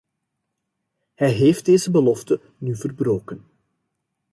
Hij heeft deze belofte nu verbroken.